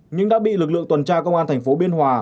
nhưng đã bị lực lượng tuần tra công an thành phố biên hòa